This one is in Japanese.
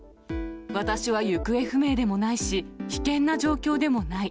私は行方不明でもないし、危険な状況でもない。